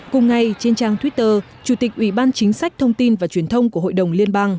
cùng ngày trên trang twitter chủ tịch ủy ban chính sách thông tin và truyền thông của hội đồng liên bang